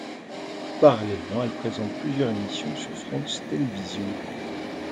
Parallèlement, elle présente plusieurs émissions sur France Télévisions.